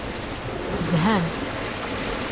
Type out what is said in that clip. Zhan.